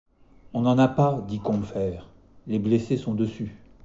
On n’en a pas, dit Combeferre, les blessés sont dessus.